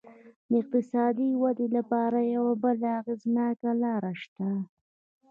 د اقتصادي ودې لپاره یوه بله اغېزناکه لار شته.